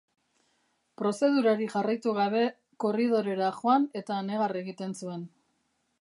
Prozedurari jarraitu gabe, korridorera joan eta negar egiten zuen.